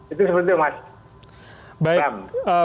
itu seperti itu mas